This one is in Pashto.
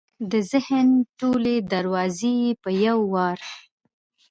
د ذهن ټولې دروازې یې په یو وار